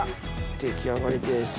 出来上がりです。